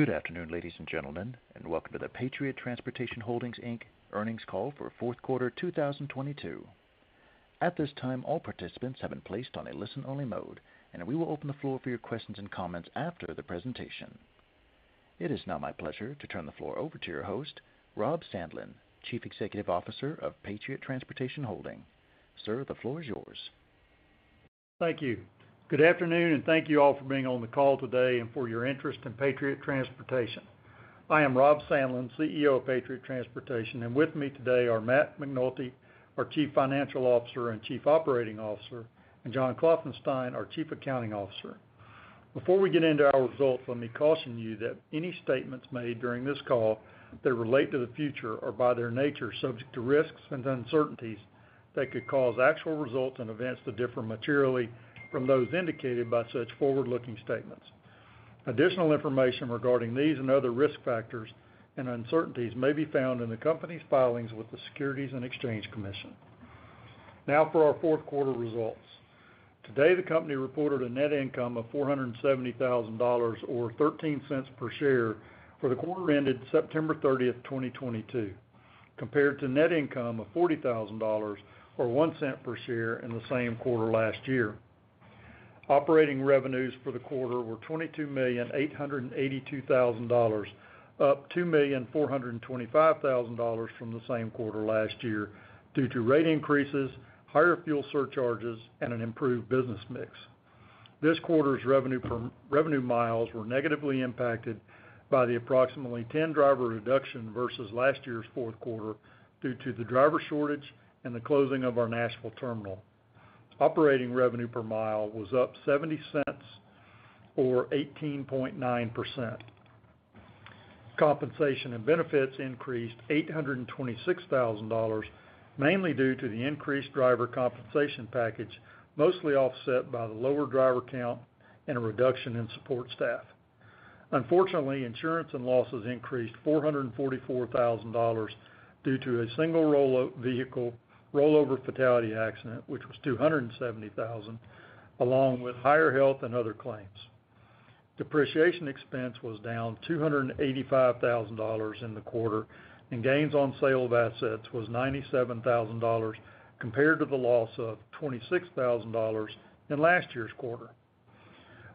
Good afternoon, ladies and gentlemen, welcome to the Patriot Transportation Holdings, Inc. earnings call for fourth quarter 2022. At this time, all participants have been placed on a listen-only mode, and we will open the floor for your questions and comments after the presentation. It is now my pleasure to turn the floor over to your host, Rob Sandlin, Chief Executive Officer of Patriot Transportation Holdings. Sir, the floor is yours. Thank you. Good afternoon, and thank you all for being on the call today and for your interest in Patriot Transportation. I am Rob Sandlin, CEO of Patriot Transportation. With me today are Matt McNulty, our Chief Financial Officer and Chief Operating Officer, and John Klopfenstein, our Chief Accounting Officer. Before we get into our results, let me caution you that any statements made during this call that relate to the future are by their nature subject to risks and uncertainties that could cause actual results and events to differ materially from those indicated by such forward-looking statements. Additional information regarding these and other risk factors and uncertainties may be found in the company's filings with the Securities and Exchange Commission. Now for our fourth quarter results. Today, the company reported a net income of $470,000 or $0.13 per share for the quarter ended September 30, 2022, compared to net income of $40,000 or $0.01 per share in the same quarter last year. Operating revenues for the quarter were $22,882,000, up $2,425,000 from the same quarter last year due to rate increases, higher fuel surcharges, and an improved business mix. This quarter's revenue miles were negatively impacted by the approximately 10 driver reduction versus last year's fourth quarter due to the driver shortage and the closing of our Nashville terminal. Operating revenue per mile was up $0.70 or 18.9%. Compensation and benefits increased $826,000, mainly due to the increased driver compensation package, mostly offset by the lower driver count and a reduction in support staff. Unfortunately, insurance and losses increased $444,000 due to a single vehicle rollover fatality accident, which was $270,000, along with higher health and other claims. Depreciation expense was down $285,000 in the quarter, and gains on sale of assets was $97,000 compared to the loss of $26,000 in last year's quarter.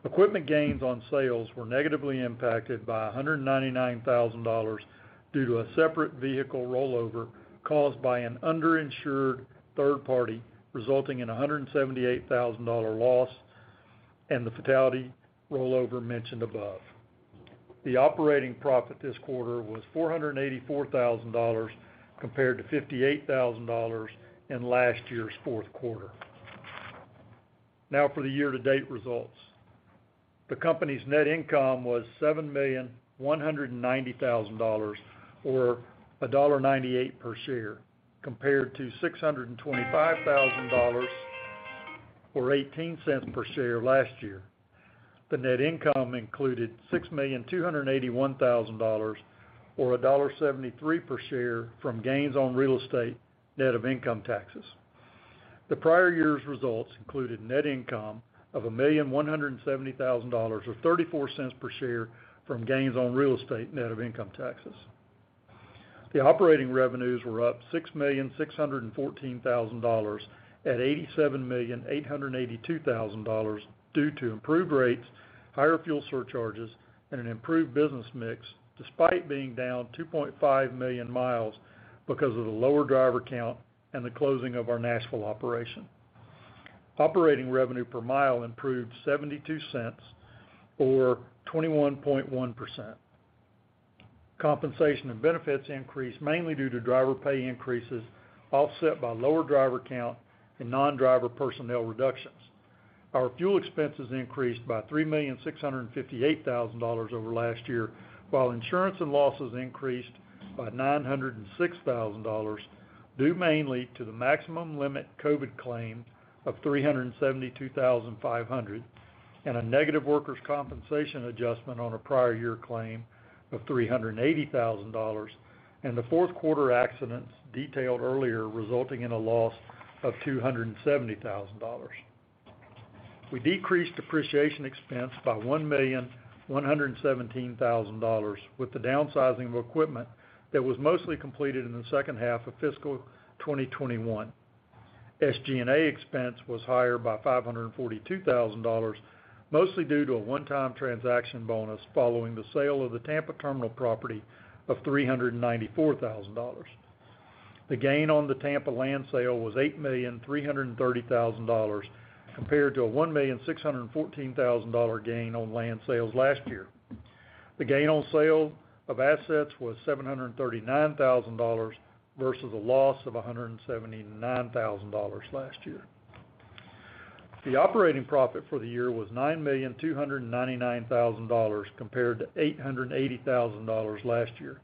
Equipment gains on sales were negatively impacted by $199,000 due to a separate vehicle rollover caused by an underinsured third party, resulting in a $178,000 loss and the fatality rollover mentioned above. The operating profit this quarter was $484,000 compared to $58,000 in last year's fourth quarter. For the year-to-date results. The company's net income was $7,190,000 or $1.98 per share, compared to $625,000 or $0.18 per share last year. The net income included $6,281,000 or $1.73 per share from gains on real estate net of income taxes. The prior year's results included net income of $1,170,000 or $0.34 per share from gains on real estate net of income taxes. The operating revenues were up $6,614,000 at $87,882,000 due to improved rates, higher fuel surcharges, and an improved business mix, despite being down 2.5 million miles because of the lower driver count and the closing of our Nashville operation. Operating revenue per mile improved $0.72 or 21.1%. Compensation and benefits increased mainly due to driver pay increases offset by lower driver count and non-driver personnel reductions. Our fuel expenses increased by $3,658,000 over last year, while insurance and losses increased by $906,000, due mainly to the maximum limit COVID claim of $372,500 and a negative workers' compensation adjustment on a prior year claim of $380,000, and the fourth quarter accidents detailed earlier resulting in a loss of $270,000. We decreased depreciation expense by $1,117,000 with the downsizing of equipment that was mostly completed in the second half of fiscal 2021. SG&A expense was higher by $542,000, mostly due to a one-time transaction bonus following the sale of the Tampa terminal property of $394,000. The gain on the Tampa land sale was $8.33 million compared to a $1.614 million gain on land sales last year. The gain on sale of assets was $739,000 versus a loss of $179,000 last year. The operating profit for the year was $9.299 million compared to $880,000 last year.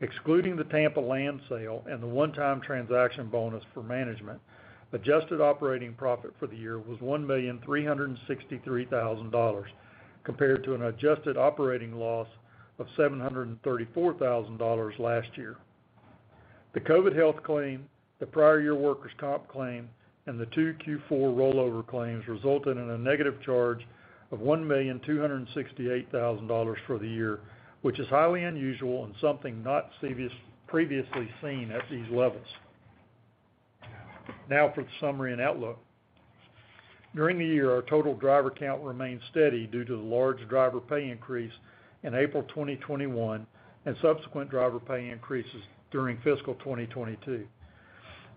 Excluding the Tampa land sale and the one-time transaction bonus for management, adjusted operating profit for the year was $1,363,000 compared to an adjusted operating loss of $734,000 last year. The COVID health claim, the prior year workers' comp claim, and the two Q4 rollover claims resulted in a negative charge of $1,268,000 for the year, which is highly unusual and something not previously seen at these levels. For the summary and outlook. During the year, our total driver count remained steady due to the large driver pay increase in April 2021 and subsequent driver pay increases during fiscal 2022.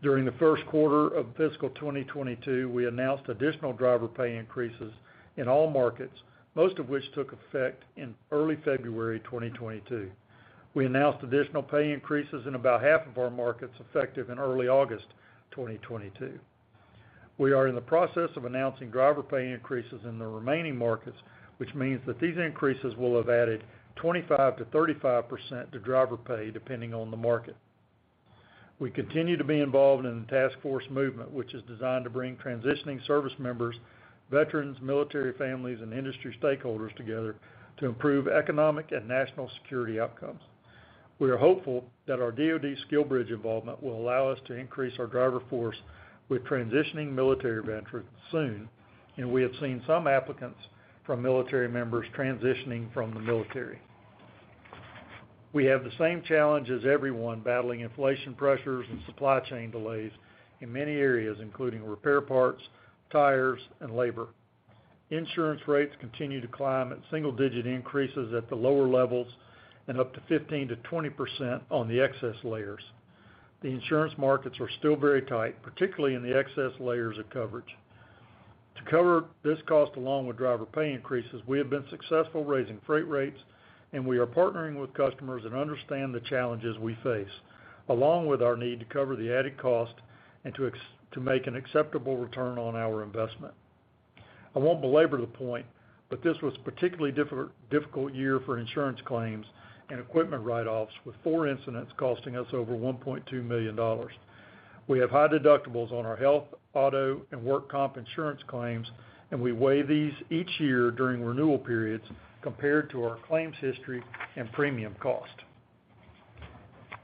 During the first quarter of fiscal 2022, we announced additional driver pay increases in all markets, most of which took effect in early February 2022. We announced additional pay increases in about half of our markets effective in early August 2022. We are in the process of announcing driver pay increases in the remaining markets, which means that these increases will have added 25%-35% to driver pay depending on the market. We continue to be involved in the Task Force Movement, which is designed to bring transitioning service members, veterans, military families, and industry stakeholders together to improve economic and national security outcomes. We are hopeful that our DoD SkillBridge involvement will allow us to increase our driver force with transitioning military veterans soon, and we have seen some applicants from military members transitioning from the military. We have the same challenge as everyone battling inflation pressures and supply chain delays in many areas, including repair parts, tires, and labor. Insurance rates continue to climb at single digit increases at the lower levels and up to 15%-20% on the excess layers. The insurance markets are still very tight, particularly in the excess layers of coverage. To cover this cost along with driver pay increases, we have been successful raising freight rates. We are partnering with customers that understand the challenges we face, along with our need to cover the added cost and to make an acceptable return on our investment. I won't belabor the point. This was particularly difficult year for insurance claims and equipment write-offs, with four incidents costing us over $1.2 million. We have high deductibles on our health, auto, and work comp insurance claims. We weigh these each year during renewal periods compared to our claims history and premium cost.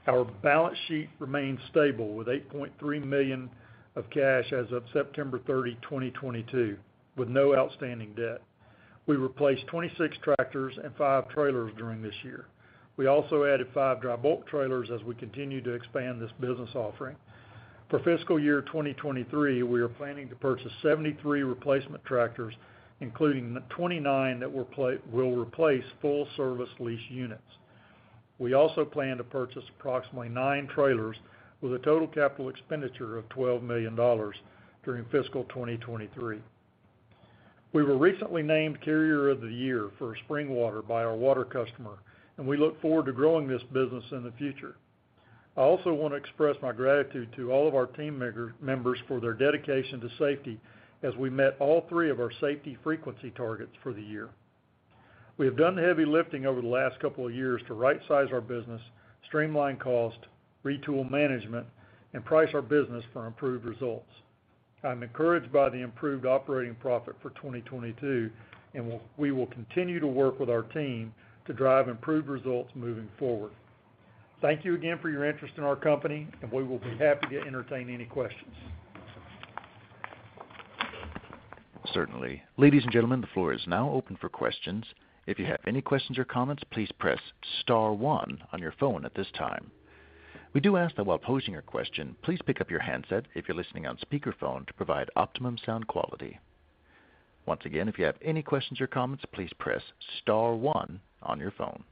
Our balance sheet remains stable, with $8.3 million of cash as of September 30, 2022, with no outstanding debt. We replaced 26 tractors and 5 trailers during this year. We also added 5 dry bulk trailers as we continue to expand this business offering. For fiscal year 2023, we are planning to purchase 73 replacement tractors, including 29 that will replace full-service lease units. We also plan to purchase approximately 9 trailers with a total capital expenditure of $12 million during fiscal 2023. We were recently named Carrier of the Year for spring water by our water customer, and we look forward to growing this business in the future. I also want to express my gratitude to all of our team members for their dedication to safety as we met all three of our safety frequency targets for the year. We have done the heavy lifting over the last couple of years to rightsize our business, streamline cost, retool management, and price our business for improved results. I'm encouraged by the improved operating profit for 2022, and we will continue to work with our team to drive improved results moving forward. Thank you again for your interest in our company, and we will be happy to entertain any questions. Certainly. Ladies and gentlemen, the floor is now open for questions. If you have any questions or comments, please press star one on your phone at this time. We do ask that while posing your question, please pick up your handset if you're listening on speakerphone to provide optimum sound quality. Once again, if you have any questions or comments, please press star one on your phone.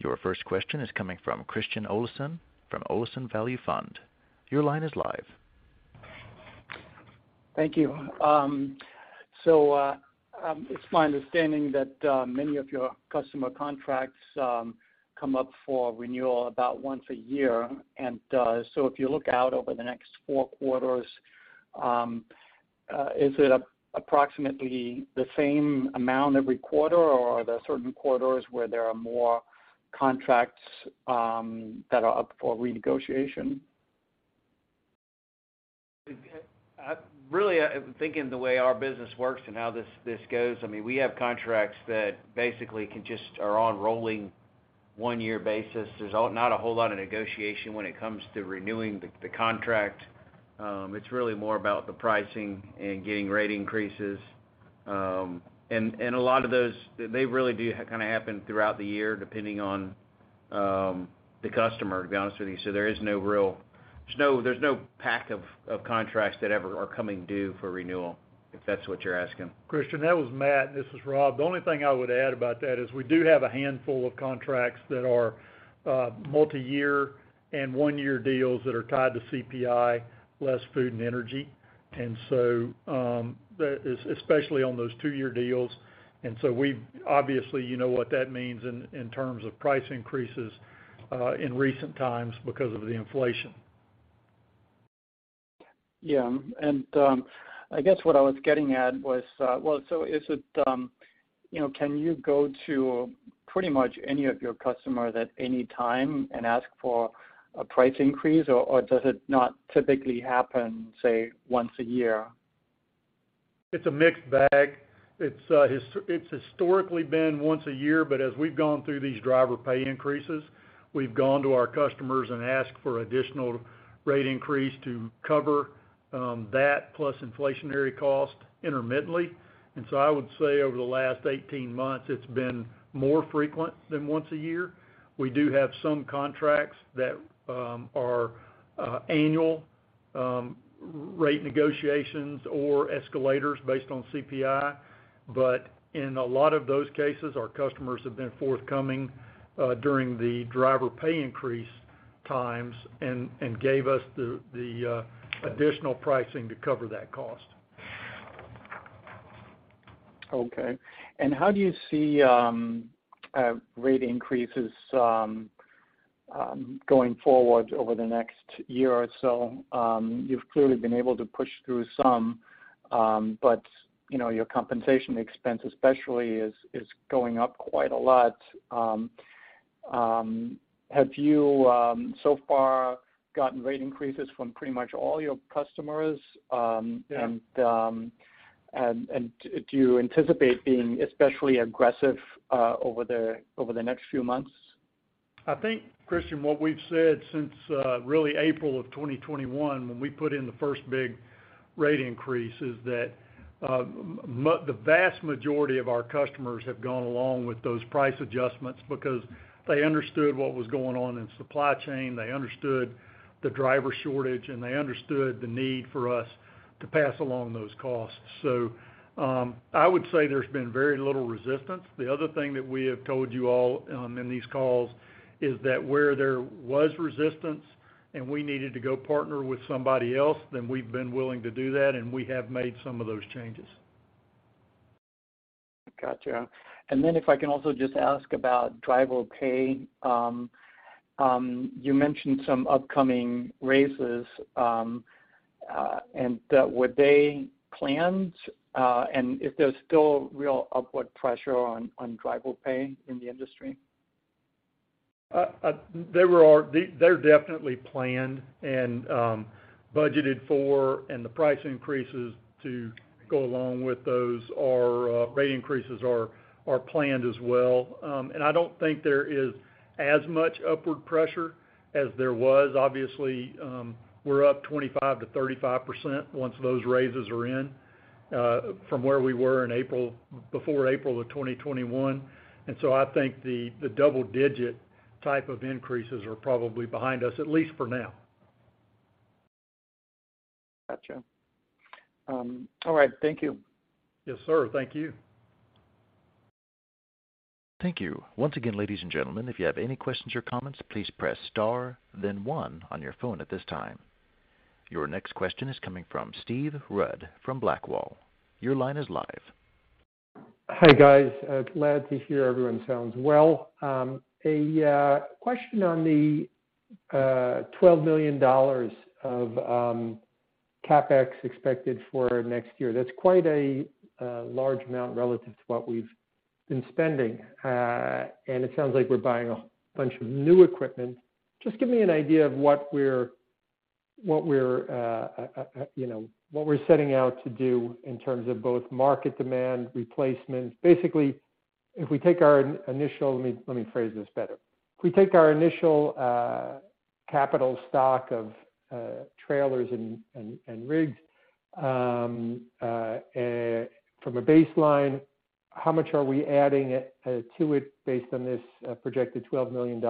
Your first question is coming from Christian Olesen from Olesen Value Fund. Your line is live. Thank you. It's my understanding that many of your customer contracts come up for renewal about once a year. If you look out over the next 4 quarters, is it approximately the same amount every quarter? Are there certain quarters where there are more contracts that are up for renegotiation? really, thinking the way our business works and how this goes, I mean, we have contracts that basically are on rolling one-year basis. There's not a whole lot of negotiation when it comes to renewing the contract. It's really more about the pricing and getting rate increases. A lot of those, they really do kinda happen throughout the year, depending on the customer, to be honest with you. There is no there's no pack of contracts that ever are coming due for renewal, if that's what you're asking? Christian, that was Matt. This is Rob. The only thing I would add about that is we do have a handful of contracts that are multiyear and one-year deals that are tied to CPI, less food and energy. Especially on those two-year deals. Obviously, you know what that means in terms of price increases in recent times because of the inflation. Yeah. I guess what I was getting at was, well, you know, can you go to pretty much any of your customer that any time and ask for a price increase, or does it not typically happen, say, once a year? It's a mixed bag. It's historically been once a year, but as we've gone through these driver pay increases, we've gone to our customers and asked for additional rate increase to cover that plus inflationary cost intermittently. I would say over the last 18 months, it's been more frequent than once a year. We do have some contracts that are annual rate negotiations or escalators based on CPI. In a lot of those cases, our customers have been forthcoming during the driver pay increase times and gave us the additional pricing to cover that cost. Okay. How do you see rate increases going forward over the next year or so? You've clearly been able to push through some, you know, your compensation expense especially is going up quite a lot. Have you so far gotten rate increases from pretty much all your customers? Yeah. Do you anticipate being especially aggressive, over the next few months? I think, Christian, what we've said since really April of 2021 when we put in the first big rate increase is that the vast majority of our customers have gone along with those price adjustments because they understood what was going on in supply chain, they understood the driver shortage, and they understood the need for us to pass along those costs. I would say there's been very little resistance. The other thing that we have told you all in these calls is that where there was resistance and we needed to go partner with somebody else, we've been willing to do that, and we have made some of those changes. Gotcha. If I can also just ask about driver pay. You mentioned some upcoming raises, and were they planned, and is there still real upward pressure on driver pay in the industry? They're definitely planned and budgeted for. The price increases to go along with those are rate increases planned as well. I don't think there is as much upward pressure as there was. Obviously, we're up 25%-35% once those raises are in, from where we were in April, before April of 2021. I think the double digit type of increases are probably behind us, at least for now. Gotcha. All right. Thank you. Yes, sir. Thank you. Thank you. Once again, ladies and gentlemen, if you have any questions or comments, please press star then 1 on your phone at this time. Your next question is coming from Steve Rudd from BlackWall. Your line is live. Hi, guys. Glad to hear everyone sounds well. A question on the $12 million of CapEx expected for next year. That's quite a large amount relative to what we've been spending. It sounds like we're buying a bunch of new equipment. Just give me an idea of what we're, you know, what we're setting out to do in terms of both market demand, replacements. Let me phrase this better. If we take our initial capital stock of trailers and rigs from a baseline, how much are we adding to it based on this projected $12 million?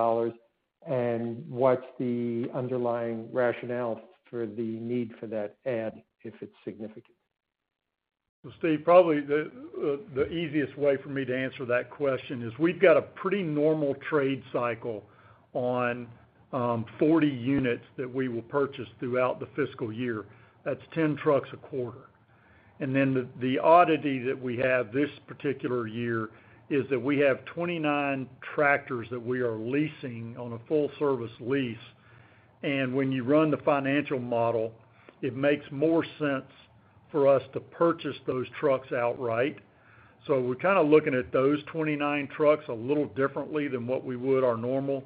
What's the underlying rationale for the need for that add, if it's significant? Well, Steve, probably the easiest way for me to answer that question is we've got a pretty normal trade cycle on 40 units that we will purchase throughout the fiscal year. That's 10 trucks a quarter. The oddity that we have this particular year is that we have 29 tractors that we are leasing on a full service lease. When you run the financial model, it makes more sense for us to purchase those trucks outright. We're kind of looking at those 29 trucks a little differently than what we would our normal.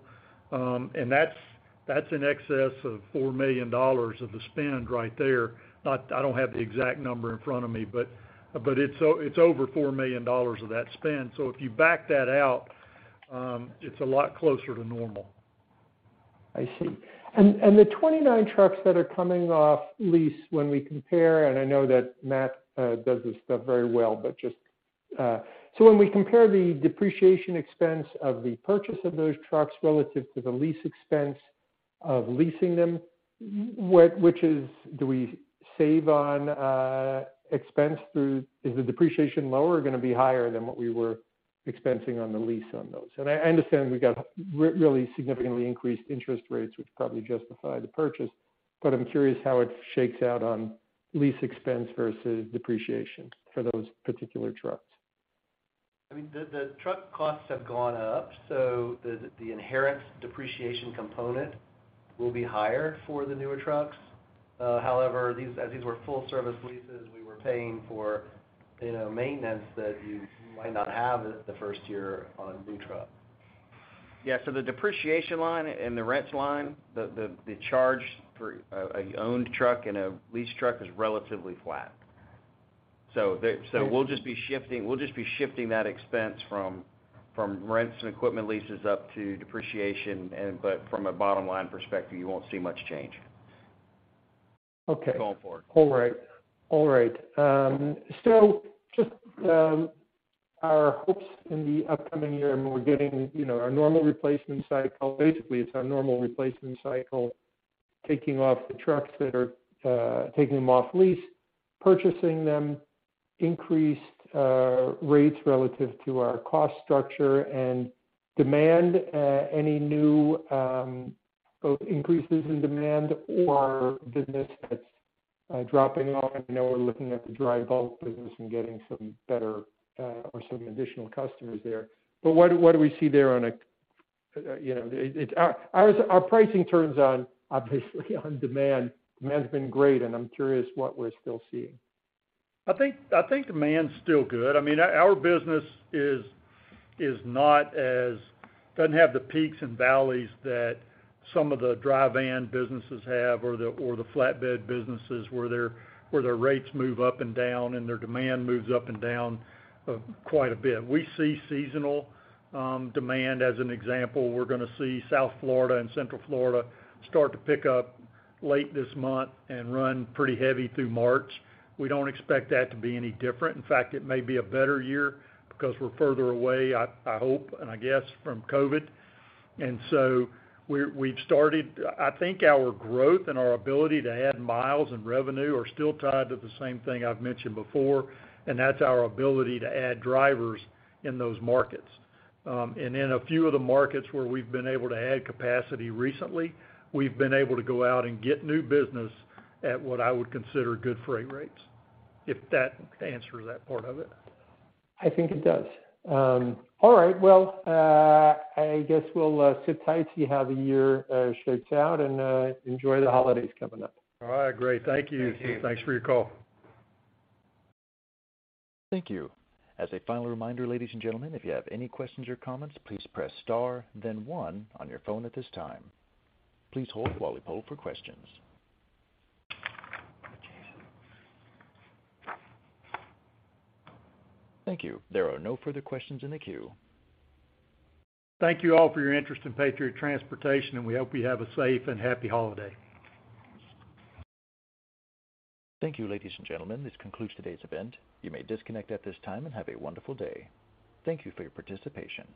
That's in excess of $4 million of the spend right there. I don't have the exact number in front of me, but it's over $4 million of that spend. If you back that out, it's a lot closer to normal. I see. The 29 trucks that are coming off lease when we compare, and I know that Matt does this stuff very well, but just. When we compare the depreciation expense of the purchase of those trucks relative to the lease expense of leasing them, which is do we save on expense through? Is the depreciation lower or gonna be higher than what we were expensing on the lease on those? I understand we got really significantly increased interest rates, which probably justify the purchase, but I'm curious how it shakes out on lease expense versus depreciation for those particular trucks. I mean, the truck costs have gone up, so the inherent depreciation component will be higher for the newer trucks. However, as these were full service leases, we were paying for, you know, maintenance that you might not have at the first year on a new truck. Yeah. The depreciation line and the rents line, the charge for a owned truck and a leased truck is relatively flat. We'll just be shifting that expense from rents and equipment leases up to depreciation. From a bottom-line perspective, you won't see much change. Okay. Going forward. All right. All right. Just our hopes in the upcoming year and we're getting, you know, our normal replacement cycle. Basically, it's our normal replacement cycle, taking off the trucks that are taking them off lease, purchasing them, increased rates relative to our cost structure and demand, any new, both increases in demand or business that's dropping off. I know we're looking at the dry bulk business and getting some better or some additional customers there. What do we see there on a, you know, pricing turns on, obviously on demand. Demand's been great, and I'm curious what we're still seeing. I think demand's still good. I mean, our business doesn't have the peaks and valleys that some of the dry van businesses have or the flatbed businesses where their rates move up and down, and their demand moves up and down quite a bit. We see seasonal demand as an example. We're gonna see South Florida and Central Florida start to pick up late this month and run pretty heavy through March. We don't expect that to be any different. In fact, it may be a better year because we're further away, I hope and I guess, from COVID. We've started... I think our growth and our ability to add miles and revenue are still tied to the same thing I've mentioned before, and that's our ability to add drivers in those markets. In a few of the markets where we've been able to add capacity recently, we've been able to go out and get new business at what I would consider good freight rates. If that answers that part of it. I think it does. All right. Well, I guess we'll sit tight, see how the year shapes out and enjoy the holidays coming up. All right. Great. Thank you. Thank you. Thanks for your call. Thank you. As a final reminder, ladies and gentlemen, if you have any questions or comments, please press star then one on your phone at this time. Please hold while we poll for questions. Thank you. There are no further questions in the queue. Thank you all for your interest in Patriot Transportation, and we hope you have a safe and happy holiday. Thank you, ladies and gentlemen. This concludes today's event. You may disconnect at this time and have a wonderful day. Thank you for your participation.